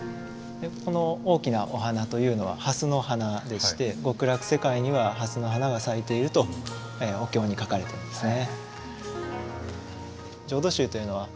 この大きなお花というのははすの花でして極楽世界にははすの花が咲いているとお経に書かれてるんですね。